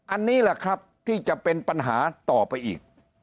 อันนี้แหละครับที่จะเป็นปัญหาต่อไปอีก